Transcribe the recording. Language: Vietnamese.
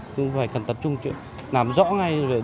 nhưng phải cần tập trung làm rõ ngay